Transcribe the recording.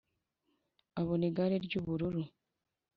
abona igare ry'ubururu